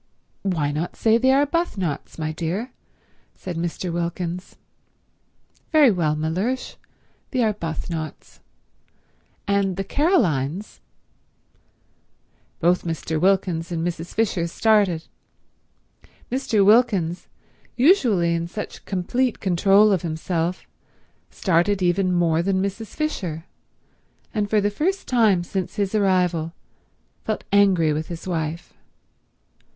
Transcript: "Why not say the Arbuthnots, my dear?" said Mr. Wilkins. "Very well, Mellersh—the Arbuthnots. And the Carolines—" Both Mr. Wilkins and Mrs. Fisher started. Mr. Wilkins, usually in such complete control of himself, started even more than Mrs. Fisher, and for the first time since his arrival felt angry with his wife.